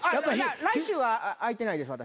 来週は空いてないです私。